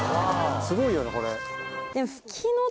すごいよねこれ。